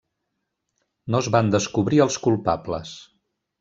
No es van descobrir els culpables.